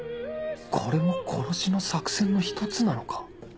これも殺しの作戦の１つなのか？